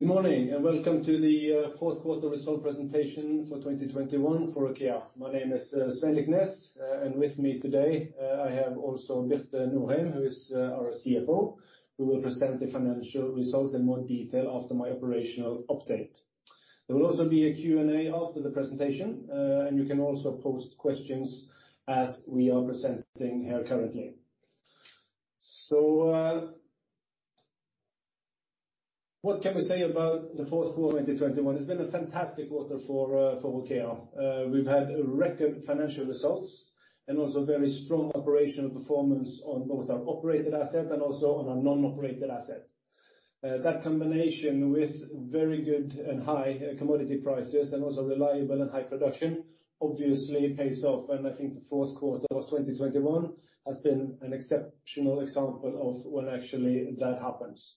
Good morning, and welcome to the Fourth Quarter Results Presentation for 2021 for OKEA. My name is Svein Liknes, and with me today I have also Birte Norheim, who is our CFO, who will present the financial results in more detail after my operational update. There will also be a Q&A after the presentation, and you can also post questions as we are presenting here currently. What can we say about the fourth quarter 2021? It's been a fantastic quarter for OKEA. We've had record financial results and also very strong operational performance on both our operated asset and also on our non-operated asset. That combination with very good and high commodity prices and also reliable and high production obviously pays off, and I think the fourth quarter of 2021 has been an exceptional example of when actually that happens.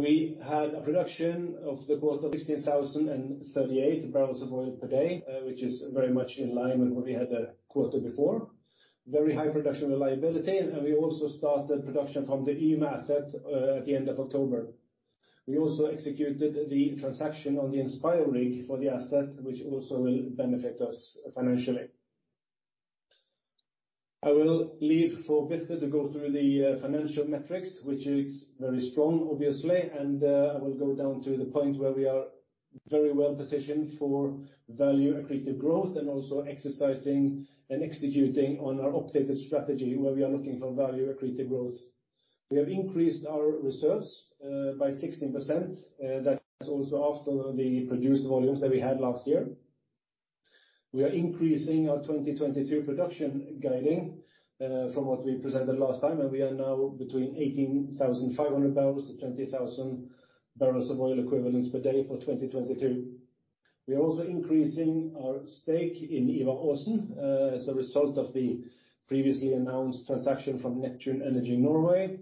We had a production of the quarter 16,038 bbl/d, which is very much in line with what we had the quarter before. Very high production reliability, and we also started production from the Yme asset at the end of October. We also executed the transaction on the Inspirer rig for the asset, which also will benefit us financially. I will leave for Birte to go through the financial metrics, which is very strong, obviously, and I will go down to the point where we are very well positioned for value-accretive growth and also exercising and executing on our updated strategy where we are looking for value-accretive growth. We have increased our reserves by 16%. That's also after the produced volumes that we had last year. We are increasing our 2022 production guidance from what we presented last time, and we are now between 18,500 boepd to 20,000 boepd for 2022. We are also increasing our stake in Ivar Aasen as a result of the previously announced transaction from Neptune Energy Norge.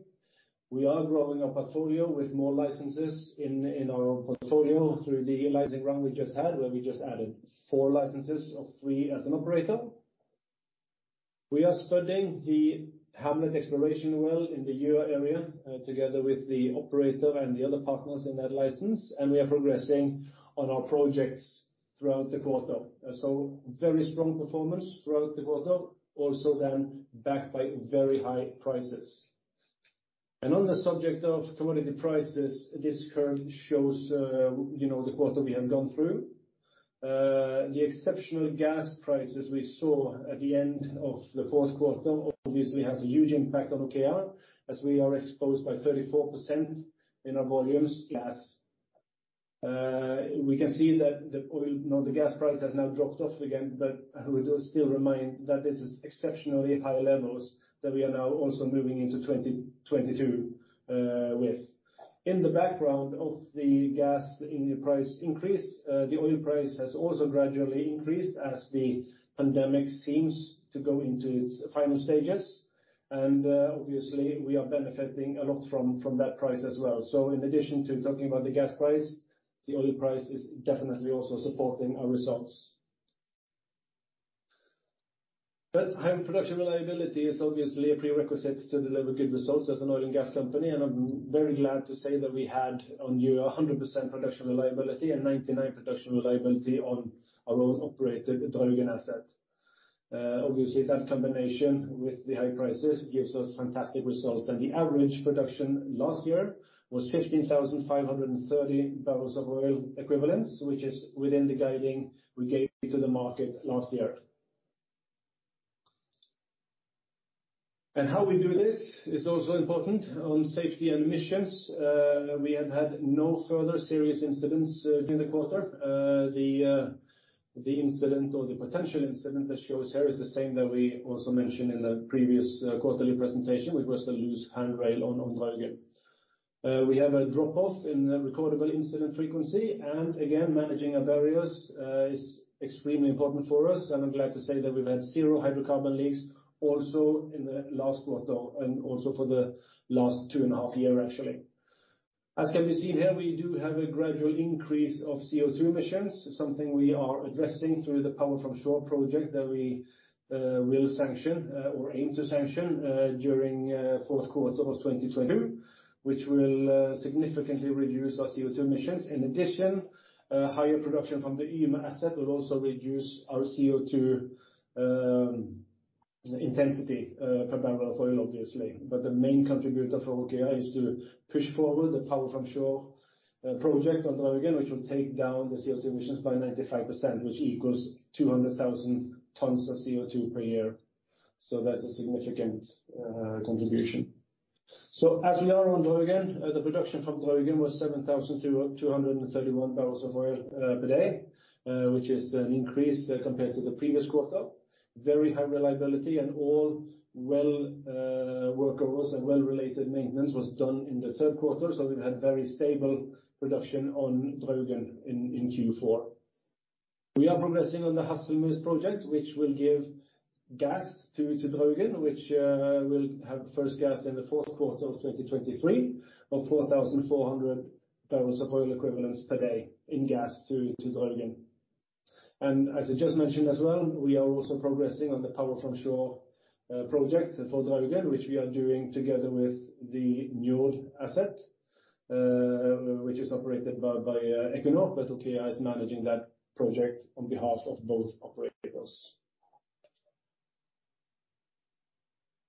We are growing our portfolio with more licenses in our portfolio through the licensing round we just had, where we just added four licenses, of three as an operator. We are studying the Hamlet exploration well in the Gjøa area, together with the operator and the other partners in that license, and we are progressing on our projects throughout the quarter. Very strong performance throughout the quarter, also then backed by very high prices. On the subject of commodity prices, this curve shows, you know, the quarter we have gone through. The exceptional gas prices we saw at the end of the fourth quarter obviously has a huge impact on OKEA as we are exposed by 34% in our volumes gas. We can see that the gas price has now dropped off again. We do still remind that this is exceptionally high levels that we are now also moving into 2022 with. In the background of the gas and the price increase, the oil price has also gradually increased as the pandemic seems to go into its final stages. Obviously, we are benefiting a lot from that price as well. In addition to talking about the gas price, the oil price is definitely also supporting our results. High production reliability is obviously a prerequisite to deliver good results as an oil and gas company, and I'm very glad to say that we had overall 100% production reliability and 99% production reliability on our own operated Draugen asset. Obviously, that combination with the high prices gives us fantastic results. The average production last year was 15,530 boe, which is within the guidance we gave to the market last year. How we do this is also important. On safety and emissions, we have had no further serious incidents during the quarter. The incident or the potential incident that shows here is the same that we also mentioned in the previous quarterly presentation, which was the loose handrail on Draugen. We have a drop-off in recordable incident frequency. Again, managing our barriers is extremely important for us. I'm glad to say that we've had zero hydrocarbon leaks also in the last quarter, and also for the last two and a half years actually. As can be seen here, we do have a gradual increase of CO2 emissions, something we are addressing through the power from shore project that we will sanction or aim to sanction during fourth quarter of 2022, which will significantly reduce our CO2 emissions. In addition, higher production from the Yme asset will also reduce our CO2 intensity per barrel of oil obviously. The main contributor for OKEA is to push forward the Power from Shore project on Draugen, which will take down the CO2 emissions by 95%, which equals 200,000 tons of CO2 per year. That's a significant contribution. As we are on Draugen, the production from Draugen was 7,231 bbl/d, which is an increase compared to the previous quarter. Very high reliability and all well workovers and well-related maintenance was done in the third quarter. We've had very stable production on Draugen in Q4. We are progressing on the Hasselmus project, which will give gas to Draugen, which will have first gas in the fourth quarter of 2023 of 4,400 boepd in gas to Draugen. As I just mentioned as well, we are also progressing on the power from shore project for Draugen, which we are doing together with the Njord asset, which is operated by Equinor. OKEA is managing that project on behalf of both operators.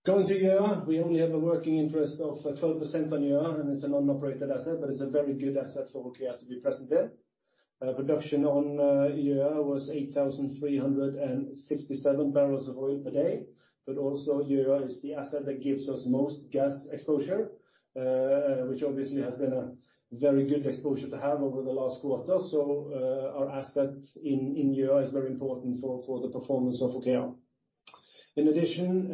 Going to Gjøa, we only have a working interest of 12% on Gjøa, and it's a non-operated asset, but it's a very good asset for OKEA to be present there. Production on Gjøa was 8,367 bbl/d. Also Gjøa is the asset that gives us most gas exposure, which obviously has been a very good exposure to have over the last quarter. Our asset in Gjøa is very important for the performance of OKEA. In addition,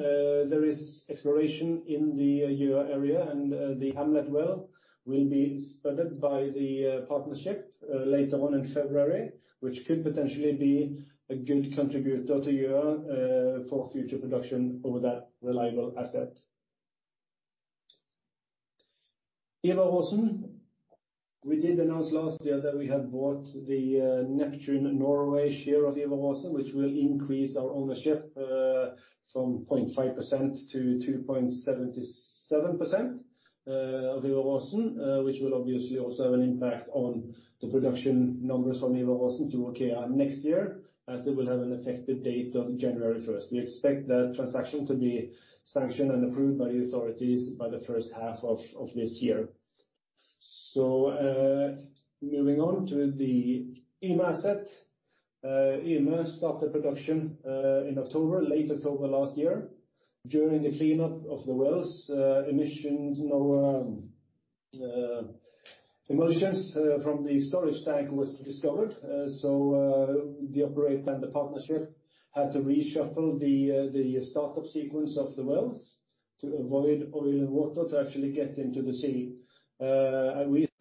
there is exploration in the Gjøa area and the Hamlet well will be spudded by the partnership later on in February, which could potentially be a good contributor to Gjøa for future production over that reliable asset. Ivar Aasen. We did announce last year that we had bought the Neptune Norge share of Ivar Aasen, which will increase our ownership from 0.5% to 2.77% of Ivar Aasen. which will obviously also have an impact on the production numbers from Ivar Aasen to OKEA next year, as they will have an effective date on January 1st. We expect that transaction to be sanctioned and approved by the authorities by the first half of this year. Moving on to the Yme asset. Yme started production in October, late October last year. During the cleanup of the wells, emissions from the storage tank was discovered. The operator and the partnership had to reshuffle the startup sequence of the wells to avoid oil and water to actually get into the sea.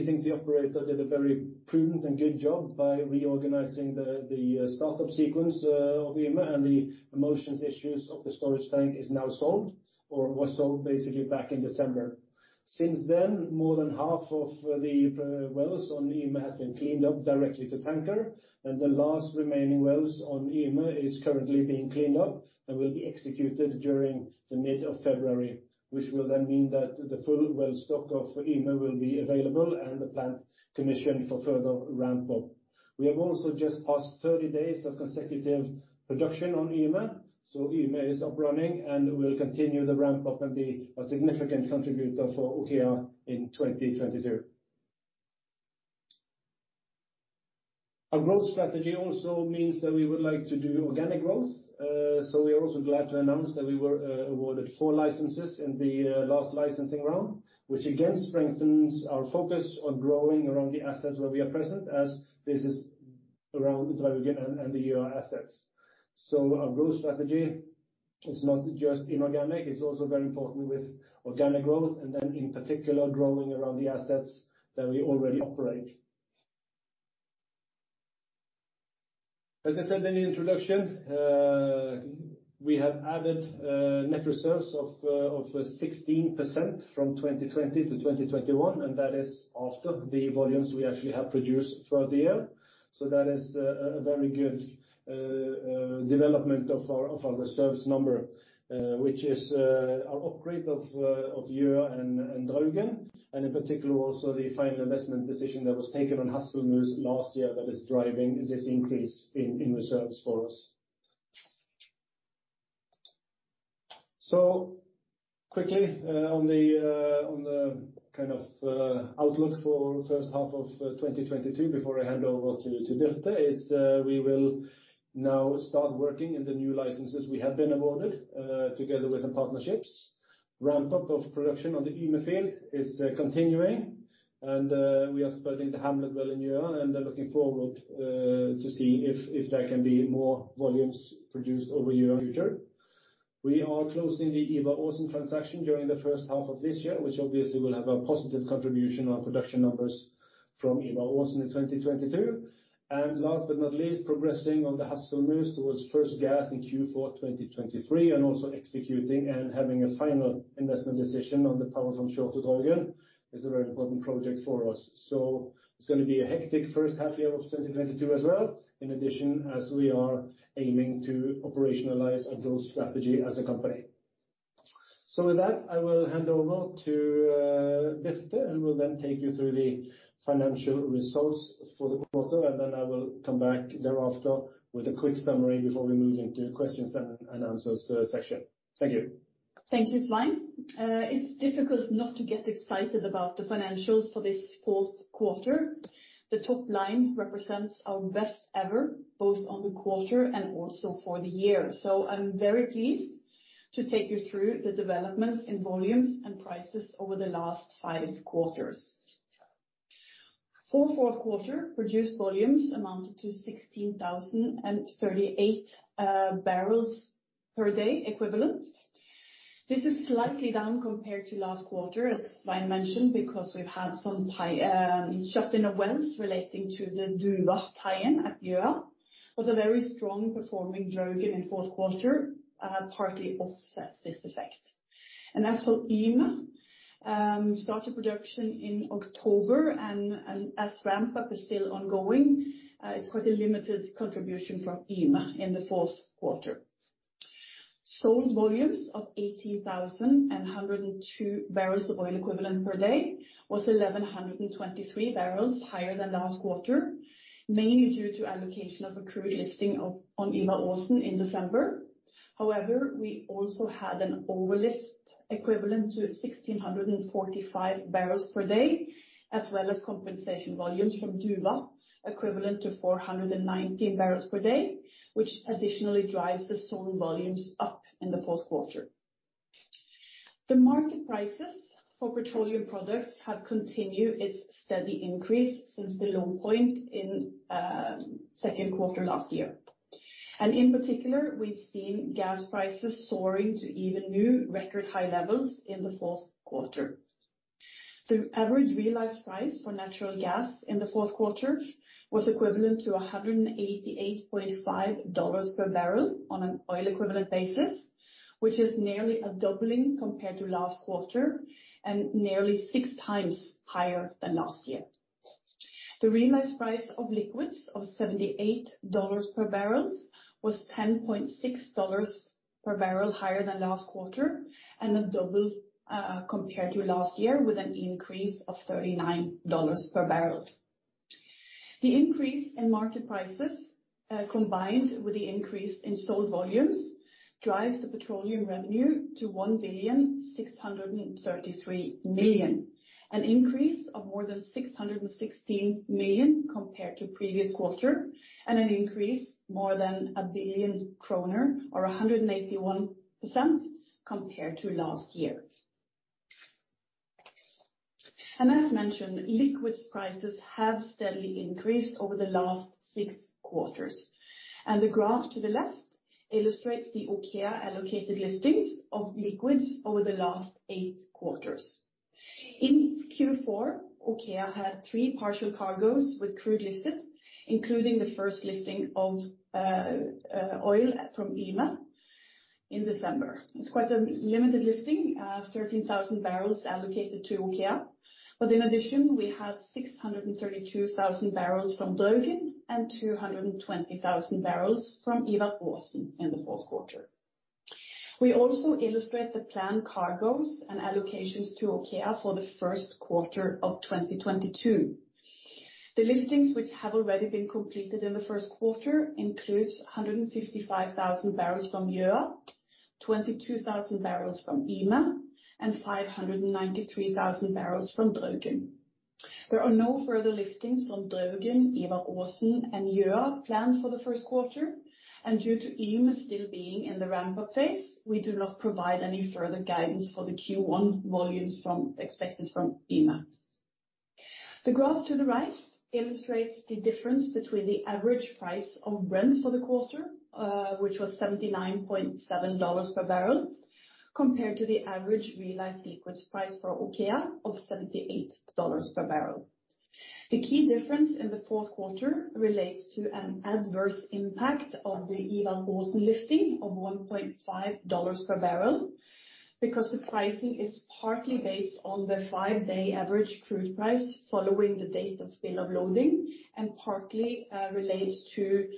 We think the operator did a very prudent and good job by reorganizing the startup sequence of Yme and the emissions issues of the storage tank is now solved or was solved basically back in December. Since then, more than half of the wells on Yme has been cleaned up directly to tanker, and the last remaining wells on Yme is currently being cleaned up and will be executed during mid-February. Which will then mean that the full well stock of Yme will be available and the plant commissioned for further ramp-up. We have also just passed 30 days of consecutive production on Yme. Yme is up running and will continue the ramp-up and be a significant contributor for OKEA in 2022. Our growth strategy also means that we would like to do organic growth. We are also glad to announce that we were awarded four licenses in the last licensing round, which again strengthens our focus on growing around the assets where we are present as this is around the Draugen and the Gjøa assets. Our growth strategy is not just inorganic, it's also very important with organic growth and then in particular, growing around the assets that we already operate. As I said in the introduction, we have added net reserves of 16% from 2020 to 2021, and that is after the volumes we actually have produced throughout the year. That is a very good development of our reserves number, which is our upgrade of Gjøa and Draugen, and in particular also the final investment decision that was taken on Hasselmus last year that is driving this increase in reserves for us. Quickly, on the kind of outlook for first half of 2022 before I hand over to Birte, we will now start working in the new licenses we have been awarded together with the partnerships. Ramp-up of production on the Yme field is continuing and we are spudding the Hamlet well in Gjøa and are looking forward to see if there can be more volumes produced over [Ivar Aasen] in future. We are closing the Ivar Aasen transaction during the first half of this year, which obviously will have a positive contribution on production numbers from Ivar Aasen in 2022. Last but not least, progressing on the Hasselmus towards first gas in Q4 2023, and also executing and having a final investment decision on the power from shore to Draugen is a very important project for us. It's going to be a hectic first half year of 2022 as well. In addition, as we are aiming to operationalize a growth strategy as a company. With that, I will hand over to Birte, and will then take you through the financial results for the quarter. Then I will come back thereafter with a quick summary before we move into questions and answers section. Thank you. Thank you, Svein. It's difficult not to get excited about the financials for this fourth quarter. The top line represents our best ever, both on the quarter and also for the year. I'm very pleased to take you through the developments in volumes and prices over the last five quarters. For fourth quarter, produced volumes amounted to 16,038 barrels per day equivalent. This is slightly down compared to last quarter, as Svein mentioned, because we've had some tie-in shut-in of wells relating to the Duva tie-in at Gjøa. The very strong performing Draugen in fourth quarter partly offsets this effect. As for Yme, started production in October and as ramp-up is still ongoing, it's quite a limited contribution from Yme in the fourth quarter. Sold volumes of 18,102 boepd was 1,123 bbl higher than last quarter, mainly due to allocation of accrued lifting of, on Ivar Aasen in November. However, we also had an overlift equivalent to 1,645 bbl/d, as well as compensation volumes from Duva equivalent to 419 bbl/d, which additionally drives the sold volumes up in the fourth quarter. The market prices for petroleum products have continued its steady increase since the low point in, second quarter last year. In particular, we've seen gas prices soaring to even new record high levels in the fourth quarter. The average realized price for natural gas in the fourth quarter was equivalent to $188.5 per barrel on an oil equivalent basis, which is nearly a doubling compared to last quarter and nearly 6x higher than last year. The realized price of liquids of $78 per barrel was $10.6 per barrel higher than last quarter, and have doubled compared to last year with an increase of $39 per barrel. The increase in market prices combined with the increase in sold volumes drives the petroleum revenue to 1.633 billion, an increase of more than 616 million compared to previous quarter, and an increase more than 1 billion kroner or 181% compared to last year. Liquids prices have steadily increased over the last six quarters. The graph to the left illustrates the OKEA allocated listings of liquids over the last eight quarters. In Q4, OKEA had three partial cargoes with crude listed, including the first listing of oil from Yme in December. It's quite a limited listing, 13,000 bbl allocated to OKEA. In addition, we have 632,000 bbl from Draugen and 220,000 bbl from Ivar Aasen in the fourth quarter. We also illustrate the planned cargoes and allocations to OKEA for the first quarter of 2022. The listings which have already been completed in the first quarter includes 155,000 bbl from Gjøa, 22,000 bbl from Yme, and 593,000 bbl from Draugen. There are no further liftings from Draugen, Ivar Aasen, and Gjøa planned for the first quarter, and due to Yme still being in the ramp-up phase, we do not provide any further guidance for the Q1 volumes expected from Yme. The graph to the right illustrates the difference between the average price of Brent for the quarter, which was $79.7 per barrel, compared to the average realized liquids price for OKEA of $78 per barrel. The key difference in the fourth quarter relates to an adverse impact of the Ivar Aasen lifting of $1.5 per barrel because the pricing is partly based on the five-day average crude price following the date of bill of lading, and partly relates to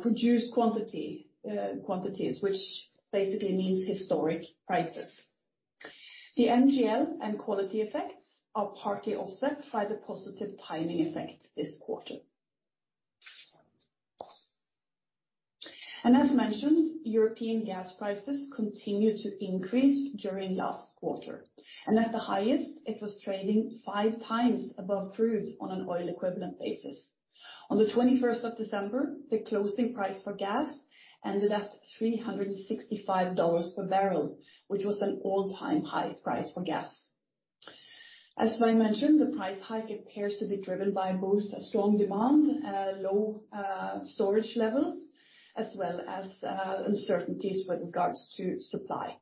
produced quantities which basically means historic prices. The NGL and quality effects are partly offset by the positive timing effect this quarter. As mentioned, European gas prices continued to increase during last quarter. At the highest, it was trading 5x above crude on an oil equivalent basis. On the 21st of December, the closing price for gas ended at $365 per barrel, which was an all-time high price for gas. As I mentioned, the price hike appears to be driven by both a strong demand, low storage levels as well as uncertainties with regards to supply.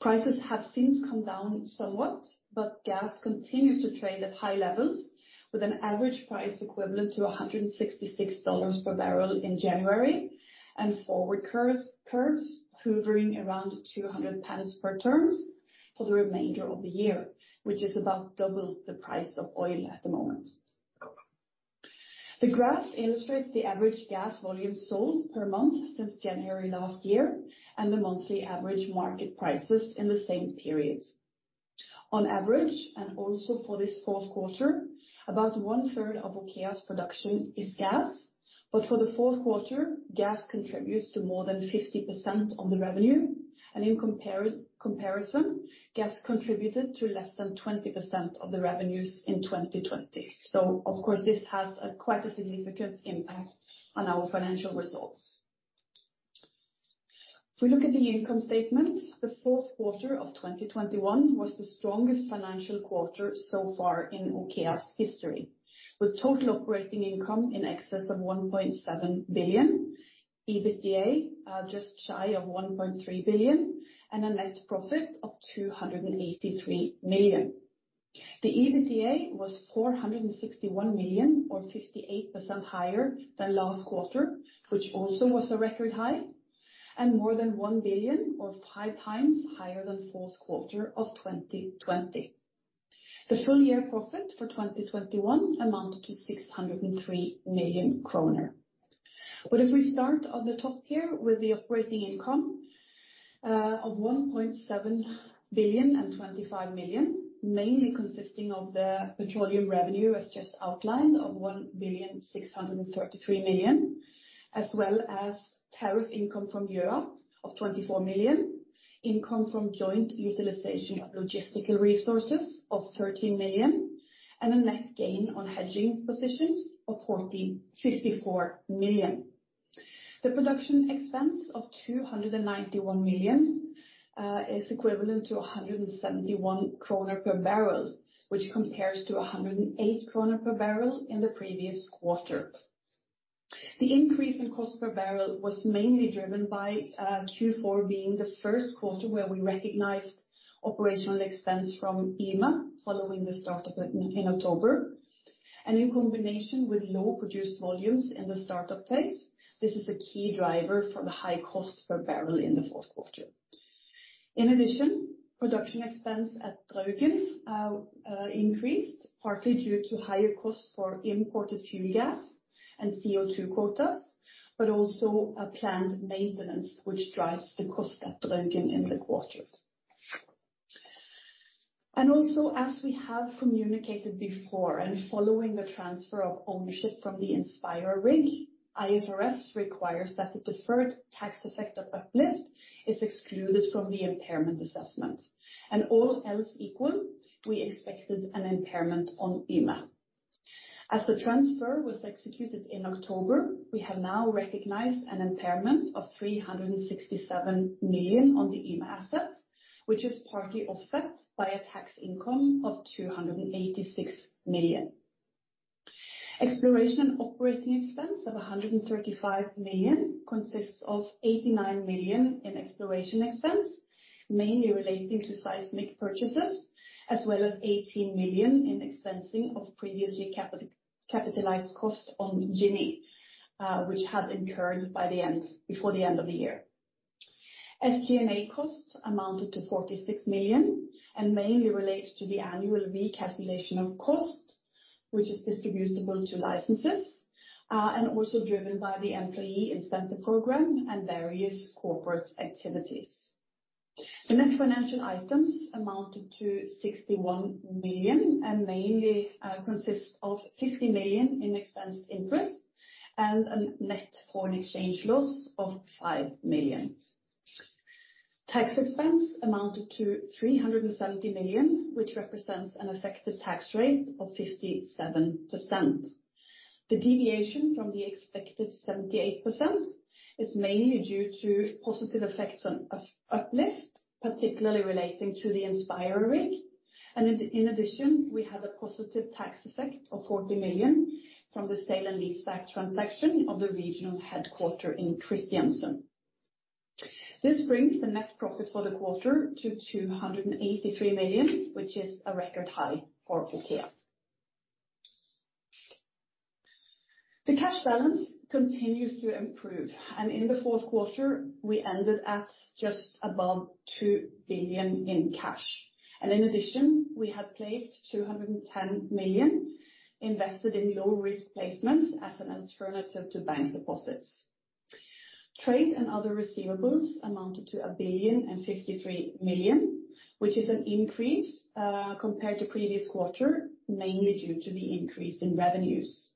Prices have since come down somewhat, but gas continues to trade at high levels with an average price equivalent to $166 per barrel in January and forward curves hovering around $200 per ton for the remainder of the year, which is about double the price of oil at the moment. The graph illustrates the average gas volume sold per month since January last year and the monthly average market prices in the same periods. On average, and also for this fourth quarter, about 1/3 of OKEA's production is gas. For the fourth quarter, gas contributes to more than 50% of the revenue. In comparison, gas contributed to less than 20% of the revenues in 2020. Of course, this has a quite a significant impact on our financial results. If we look at the income statement, the fourth quarter of 2021 was the strongest financial quarter so far in OKEA's history, with total operating income in excess of 1.7 billion, EBITDA just shy of 1.3 billion, and a net profit of 283 million. The EBITDA was 461 million, or 58% higher than last quarter, which also was a record high and more than 1 billion or 5x higher than fourth quarter of 2020. The full year profit for 2021 amounted to 603 million kroner. If we start on the top here with the operating income of 1.725 billion, mainly consisting of the petroleum revenue as just outlined of 1.633 billion. As well as tariff income from Yme of 24 million, income from joint utilization of logistical resources of 13 million, and a net gain on hedging positions of 54 million. The production expense of 291 million is equivalent to 171 kroner per barrel, which compares to 108 kroner per barrel in the previous quarter. The increase in cost per barrel was mainly driven by Q4 being the first quarter where we recognized operational expense from Yme following the start of it in October. In combination with low produced volumes in the start-up phase, this is a key driver for the high cost per barrel in the fourth quarter. In addition, production expense at Draugen increased partly due to higher cost for imported fuel gas and CO2 quotas, but also a planned maintenance which drives the cost at Draugen in the quarter. Also as we have communicated before and following the transfer of ownership from the Inspirer rig, IFRS requires that the deferred tax effect of uplift is excluded from the impairment assessment. All else equal, we expected an impairment on Yme. As the transfer was executed in October, we have now recognized an impairment of 367 million on the Yme assets, which is partly offset by a tax income of 286 million. Exploration and operating expense of 135 million consists of 89 million in exploration expense, mainly relating to seismic purchases, as well as 18 million in expensing of previously capitalized costs on Ginny, which have incurred before the end of the year. SG&A costs amounted to 46 million, and mainly relates to the annual recalculation of cost, which is distributable to licenses, and also driven by the employee incentive program and various corporate activities. The net financial items amounted to 61 million, and mainly consists of 50 million in expense interest and a net foreign exchange loss of 5 million. Tax expense amounted to 370 million, which represents an effective tax rate of 57%. The deviation from the expected 78% is mainly due to positive effects on uplift, particularly relating to the Inspire rig. In addition, we have a positive tax effect of 40 million from the sale and leaseback transaction of the regional headquarters in Kristiansund. This brings the net profit for the quarter to 283 million, which is a record high for OKEA. The cash balance continues to improve, and in the fourth quarter we ended at just above 2 billion in cash. In addition, we have placed 210 million invested in low risk placements as an alternative to bank deposits. Trade and other receivables amounted to 1.053 billion, which is an increase compared to previous quarter, mainly due to the increase in revenues.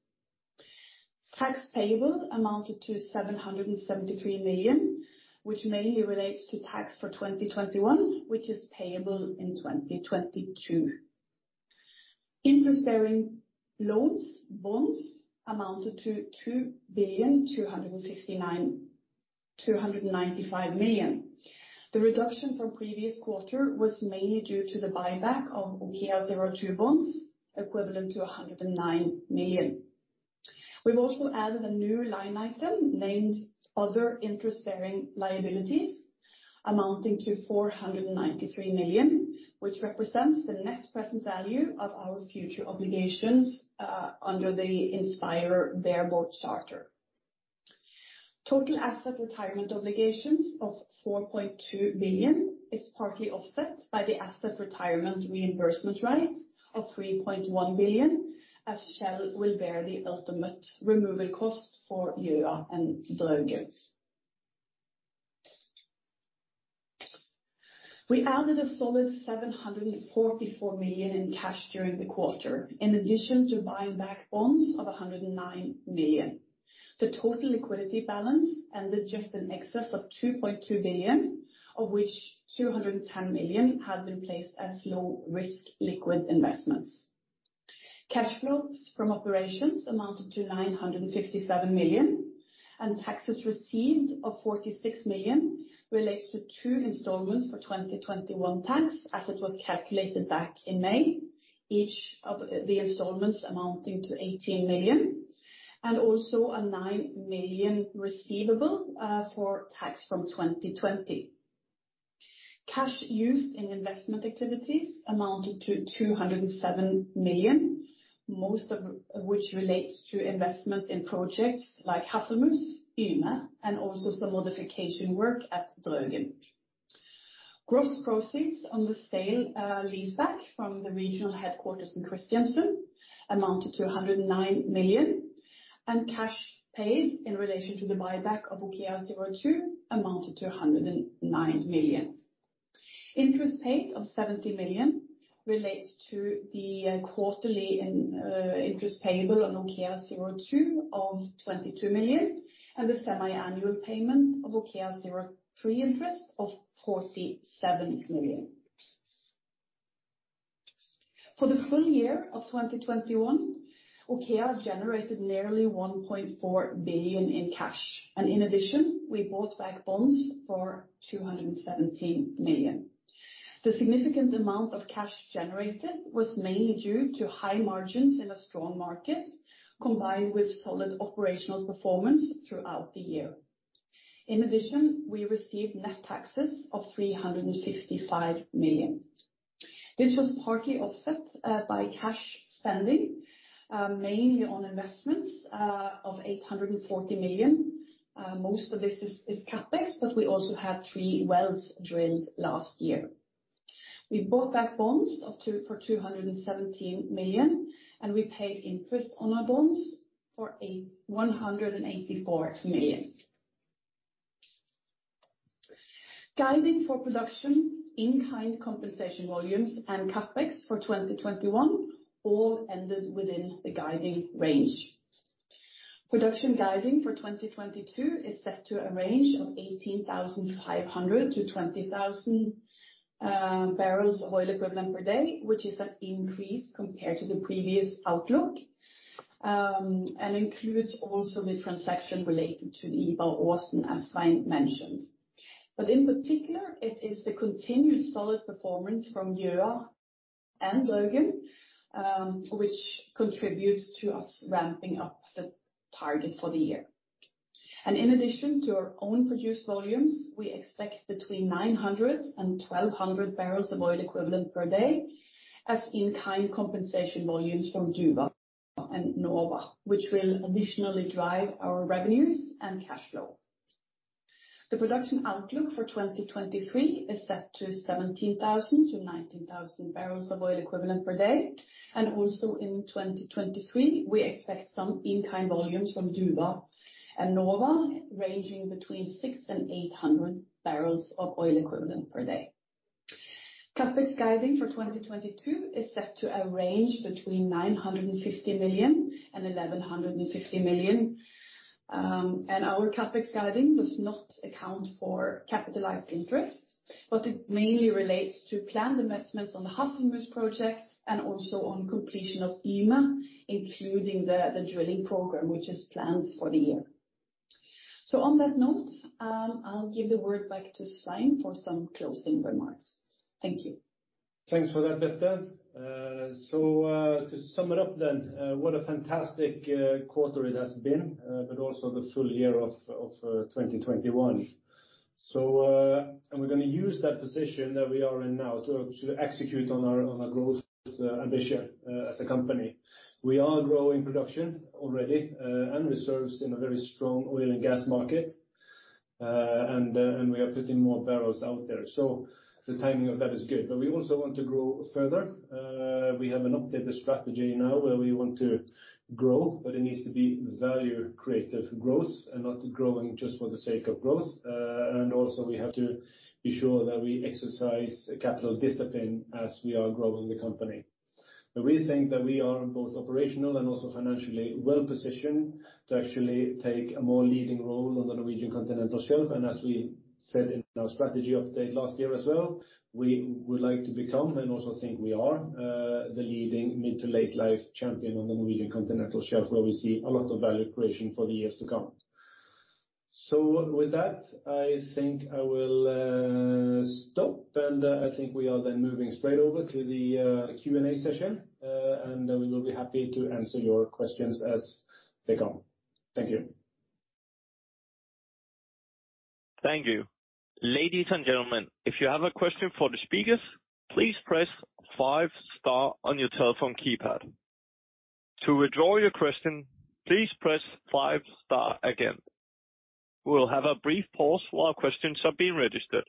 Tax payable amounted to 773 million, which mainly relates to tax for 2021, which is payable in 2022. Interest-bearing loans, bonds amounted to 2.295 billion. The reduction from previous quarter was mainly due to the buyback of OKEA02 bonds equivalent to 109 million. We've also added a new line item named Other interest-bearing liabilities amounting to 493 million, which represents the net present value of our future obligations under the Inspire bareboat charter. Total asset retirement obligations of 4.2 billion is partly offset by the asset retirement reimbursement rate of 3.1 billion, as Shell will bear the ultimate removal costs for Gjøa and Draugen. We added a solid 744 million in cash during the quarter, in addition to buying back bonds of 109 million. The total liquidity balance ended just in excess of 2.2 billion, of which 210 million have been placed as low risk liquid investments. Cash flows from operations amounted to 957 million, and taxes received of 46 million relates to two installments for 2021 tax as it was calculated back in May, each of the installments amounting to 18 million, and also a 9 million receivable for tax from 2020. Cash used in investment activities amounted to 207 million, most of which relates to investment in projects like Hasselmus, Yme, and also some modification work at Draugen. Gross proceeds on the sale leaseback from the regional headquarters in Kristiansund amounted to 109 million. Cash paid in relation to the buyback of OKEA02 amounted to 109 million. Interest paid of 70 million relates to the quarterly interest payable on OKEA02 of 22 million, and the semiannual payment of OKEA03 interest of 47 million. For the full year of 2021, OKEA generated nearly 1.4 billion in cash. In addition, we bought back bonds for 217 million. The significant amount of cash generated was mainly due to high margins in a strong market, combined with solid operational performance throughout the year. In addition, we received net taxes of 355 million. This was partly offset by cash spending mainly on investments of 840 million. Most of this is CapEx, but we also had three wells drilled last year. We bought back bonds of two, for 217 million, and we paid interest on our bonds for 184 million. Guiding for production, in tie-in compensation volumes and CapEx for 2021 all ended within the guiding range. Production guiding for 2022 is set to a range of 18,500 boepd-20,000 boepd, which is an increase compared to the previous outlook. Includes also the transaction related to the Ivar Aasen, as Svein mentioned. In particular, it is the continued solid performance from Gjøa and Draugen, which contributes to us ramping up the target for the year. In addition to our own produced volumes, we expect between 900 boepd and 1,200 boepd, as in tie-in compensation volumes from Duva, and Nova, which will additionally drive our revenues and cash flow. The production outlook for 2023 is set to 17,000 boepd-19,000 boepd. Also in 2023, we expect some in-kind volumes from Duva and Nova, ranging between 600 boepd-800 boepd. CapEx guiding for 2022 is set to a range between 950 million and 1,160 million. Our CapEx guiding does not account for capitalized interest, but it mainly relates to planned investments on the Hasselmus project and also on completion of Yme, including the drilling program, which is planned for the year. On that note, I'll give the word back to Svein for some closing remarks. Thank you. Thanks for that, Birte. To sum it up then, what a fantastic quarter it has been, but also the full year of 2021. We're going to use that position that we are in now to execute on our growth ambition as a company. We are growing production already and reserves in a very strong oil and gas market. And we are putting more barrels out there. The timing of that is good. We also want to grow further. We have an updated strategy now where we want to grow, but it needs to be value accretive growth and not growing just for the sake of growth. And also we have to be sure that we exercise capital discipline as we are growing the company. We think that we are both operational and also financially well-positioned to actually take a more leading role on the Norwegian Continental Shelf. As we said in our strategy update last year as well, we would like to become, and also think we are, the leading mid to late life champion on the Norwegian Continental Shelf, where we see a lot of value creation for the years to come. With that, I think I will stop. I think we are then moving straight over to the Q&A session. We will be happy to answer your questions as they come. Thank you. Thank you. Ladies and gentlemen, if you have a question for the speakers, please press five star on your telephone keypad. To withdraw your question, please press five star again. We'll have a brief pause while questions are being registered.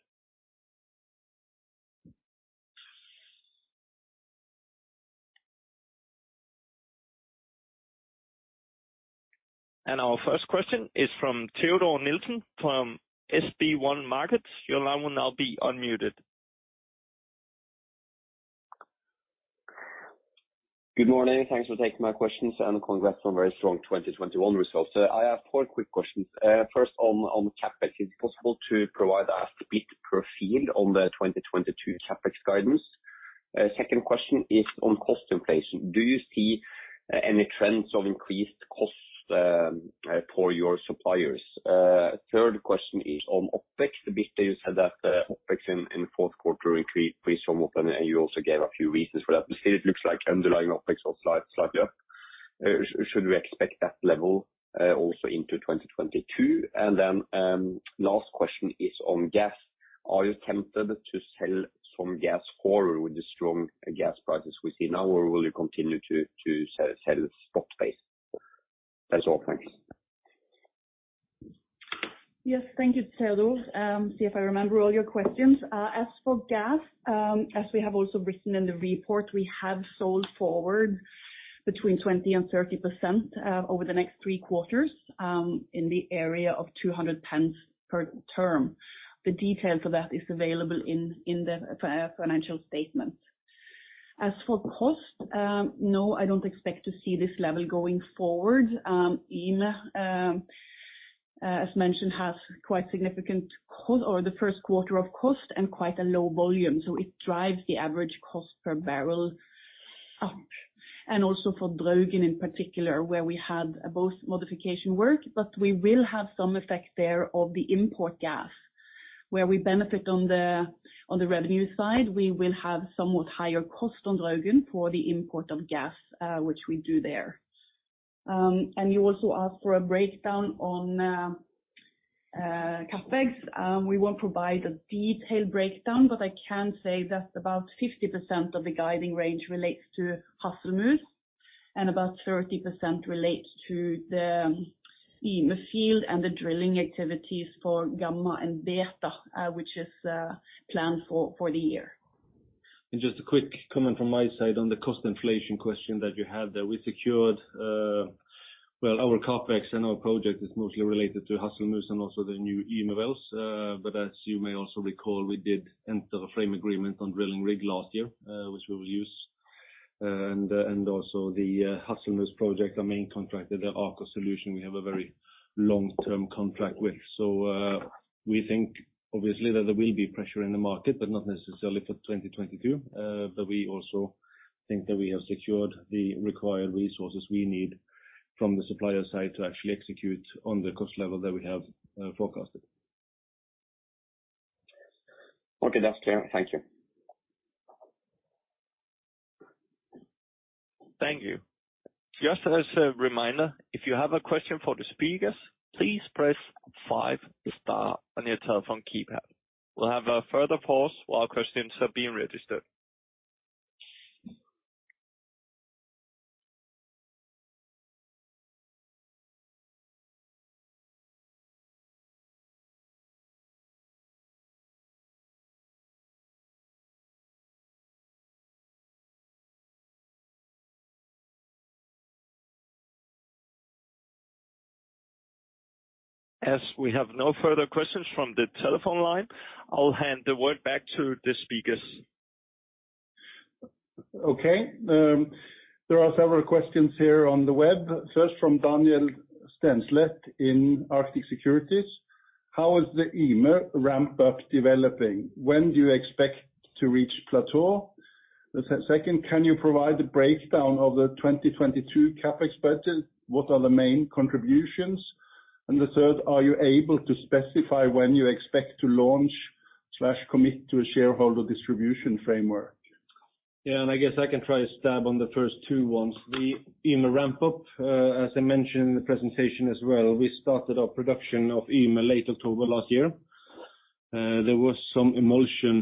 Our first question is from Teodor Sveen-Nilsen from SB1 Markets. Your line will now be unmuted. Good morning. Thanks for taking my questions, and congrats on very strong 2021 results. I have four quick questions. First on CapEx, is it possible to provide a split per field on the 2022 CapEx guidance? Second question is on cost inflation. Do you see any trends of increased costs for your suppliers? Third question is on OpEx. Birte, you said that OpEx in the fourth quarter increased somewhat, and you also gave a few reasons for that. To me it looks like underlying OpEx was slightly up. Should we expect that level also into 2022? Last question is on gas. Are you tempted to sell some gas forward with the strong gas prices we see now or will you continue to sell spot-based? That's all. Thanks. Yes, thank you, Teodor. See if I remember all your questions. As for gas, as we have also written in the report, we have sold forward between 20% and 30% over the next three quarters in the area of 200 pence per ton. The details of that is available in the financial statement. As for cost, no, I don't expect to see this level going forward. Yme, as mentioned, has quite significant costs for the first quarter and quite a low volume, so it drives the average cost per barrel up. Also for Draugen in particular, where we had both modification work, but we will have some effect there of the import gas. Where we benefit on the revenue side, we will have somewhat higher cost on Draugen for the import of gas, which we do there. You also asked for a breakdown on CapEx. We won't provide a detailed breakdown, but I can say that about 50% of the guiding range relates to Hasselmus and about 30% relates to the Yme field and the drilling activities for Gamma and Beta, which is planned for the year. Just a quick comment from my side on the cost inflation question that you had there. We secured our CapEx, and our project is mostly related to Hasselmus and also the new Yme wells. But as you may also recall, we did enter a frame agreement on drilling rig last year, which we will use. And also the Hasselmus project, our main contractor, Aker Solutions, we have a very long-term contract with. We think obviously that there will be pressure in the market, but not necessarily for 2022. But we also think that we have secured the required resources we need from the supplier side to actually execute on the cost level that we have forecasted. Okay, that's clear. Thank you. Thank you. Just as a reminder, if you have a question for the speakers, please press five star on your telephone keypad. We'll have a further pause while questions are being registered. As we have no further questions from the telephone line, I'll hand the word back to the speakers. Okay. There are several questions here on the web. First from Daniel Stenslet in Arctic Securities. How is the Yme ramp-up developing? When do you expect to reach plateau? Second, can you provide the breakdown of the 2022 CapEx budget? What are the main contributions? And the third, are you able to specify when you expect to launch/commit to a shareholder distribution framework? Yeah. I guess I can take a stab on the first two ones. The Yme ramp-up, as I mentioned in the presentation as well, we started our production of Yme late October last year. There was some emulsion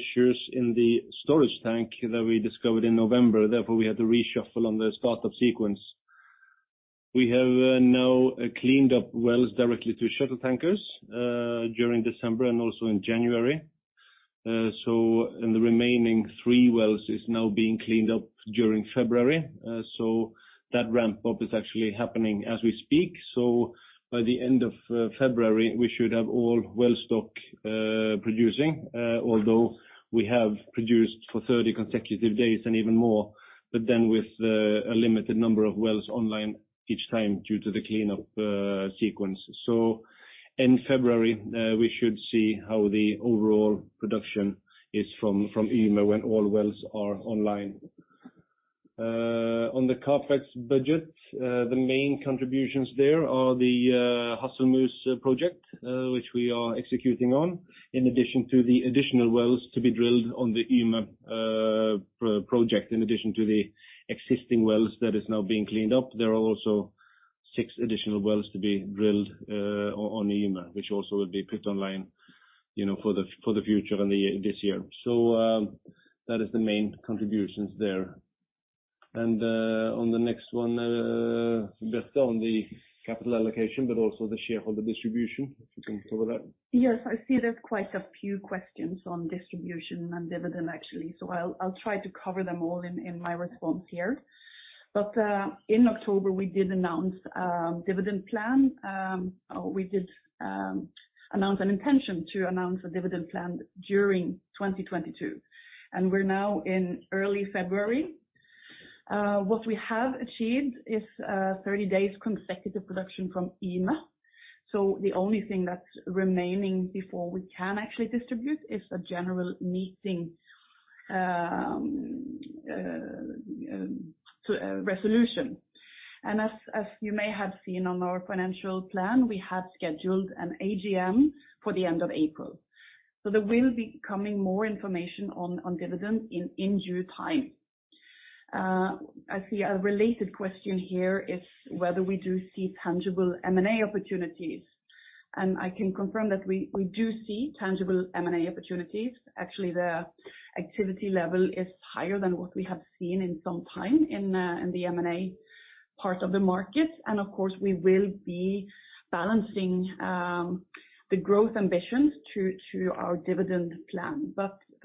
issues in the storage tank that we discovered in November, therefore, we had to reshuffle on the startup sequence. We have now cleaned up wells directly to shuttle tankers during December and also in January. The remaining three wells is now being cleaned up during February. That ramp-up is actually happening as we speak. By the end of February, we should have all well stock producing, although we have produced for 30 consecutive days and even more, but then with a limited number of wells online each time due to the cleanup sequence. In February, we should see how the overall production is from Yme when all wells are online. On the CapEx budget, the main contributions there are the Hasselmus project, which we are executing on, in addition to the additional wells to be drilled on the Yme project. In addition to the existing wells that is now being cleaned up, there are also six additional wells to be drilled on Yme, which also will be put online, you know, for the future and this year. That is the main contributions there. On the next one, Birte, on the capital allocation, but also the shareholder distribution, if you can cover that. Yes, I see there's quite a few questions on distribution and dividend, actually. I'll try to cover them all in my response here. In October, we did announce dividend plan. We did announce an intention to announce a dividend plan during 2022, and we're now in early February. What we have achieved is 30 days consecutive production from Yme. The only thing that's remaining before we can actually distribute is a general meeting to a resolution. As you may have seen on our financial plan, we have scheduled an AGM for the end of April. There will be coming more information on dividend in due time. I see a related question here is whether we do see tangible M&A opportunities, and I can confirm that we do see tangible M&A opportunities. Actually, the activity level is higher than what we have seen in some time in the M&A part of the market. Of course, we will be balancing the growth ambitions to our dividend plan.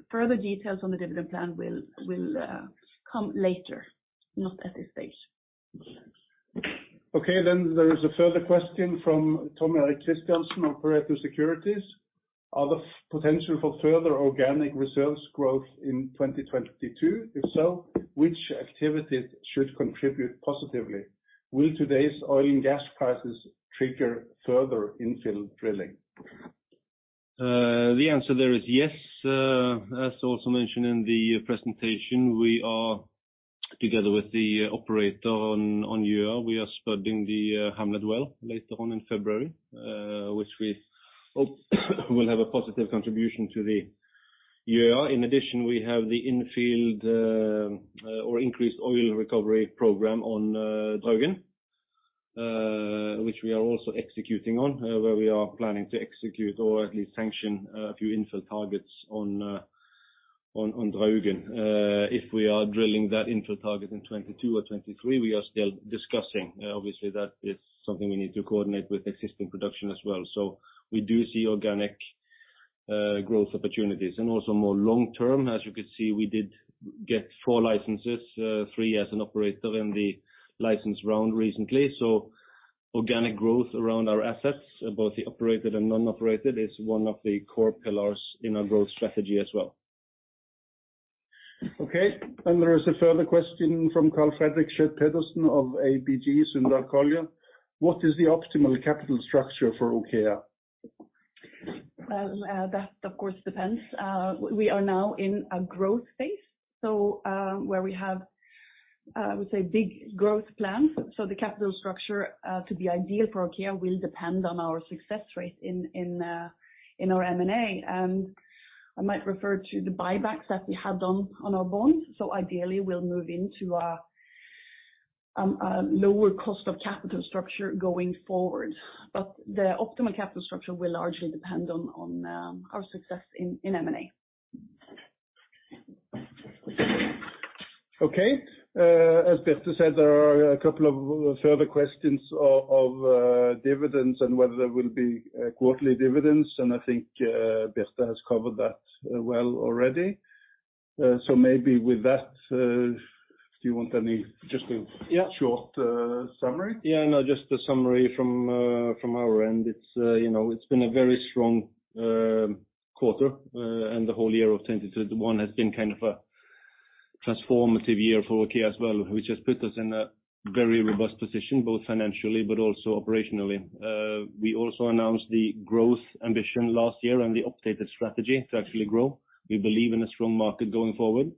Further details on the dividend plan will come later, not at this stage. Okay, there is a further question from Tom Erik Kristiansen of Pareto Securities. What is the potential for further organic reserves growth in 2022? If so, which activities should contribute positively? Will today's oil and gas prices trigger further infill drilling? The answer there is yes. As also mentioned in the presentation, we are together with the operator on Yme. We are spudding the Hamlet well later on in February, which we hope will have a positive contribution to the year. In addition, we have the infill or increased oil recovery program on Draugen, which we are also executing on, where we are planning to execute or at least sanction a few infill targets on Draugen. If we are drilling that infill target in 2022 or 2023, we are still discussing. Obviously, that is something we need to coordinate with existing production as well. We do see organic growth opportunities. Also more long-term, as you could see, we did get four licenses, three as an operator in the license round recently. Organic growth around our assets, both the operated and non-operated, is one of the core pillars in our growth strategy as well. Okay. There is a further question from Karl Fredrik Schjøtt-Pedersen of ABG Sundal Collier. What is the optimal capital structure for OKEA? That of course depends. We are now in a growth phase, so where we have, I would say big growth plans. The capital structure to be ideal for OKEA will depend on our success rate in our M&A. I might refer to the buybacks that we had on our bonds. Ideally, we'll move into a lower cost of capital structure going forward. The optimal capital structure will largely depend on our success in M&A. Okay. As Birte said, there are a couple of further questions of dividends and whether there will be quarterly dividends, and I think Birte has covered that well already. Maybe with that, do you want any. Yeah. Short summary? Yeah, no, just a summary from our end. It's, you know, it's been a very strong quarter, and the whole year of 2021 has been kind of a transformative year for OKEA as well, which has put us in a very robust position, both financially but also operationally. We also announced the growth ambition last year and the updated strategy to actually grow. We believe in a strong market going forward.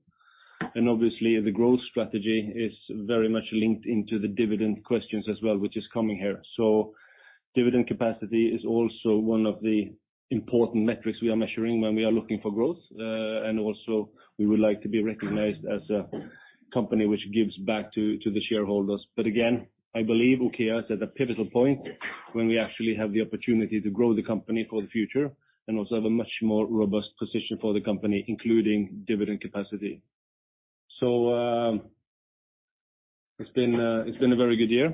Obviously, the growth strategy is very much linked into the dividend questions as well, which is coming here. Dividend capacity is also one of the important metrics we are measuring when we are looking for growth. And also we would like to be recognized as a company which gives back to the shareholders. Again, I believe OKEA is at a pivotal point when we actually have the opportunity to grow the company for the future and also have a much more robust position for the company, including dividend capacity. It's been a very good year.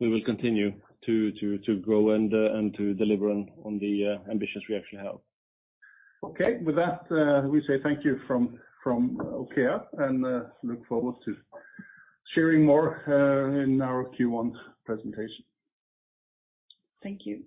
We will continue to grow and to deliver on the ambitions we actually have. Okay. With that, we say thank you from OKEA and look forward to sharing more in our Q1 presentation. Thank you.